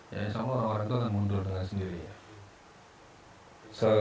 ya insya allah orang orang itu akan mundur dengan sendirinya